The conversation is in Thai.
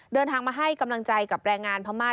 เดินทางมาให้กำลังใจกับแรงงานพม่า